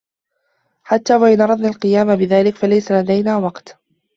حتى وإن أردنا القيام بذلك فليس لدينا وقت.